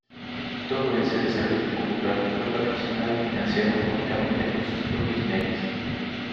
Todo ese desarrollo cultural fue patrocinado y financiado únicamente por sus propios medios.